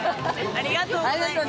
ありがとうございます。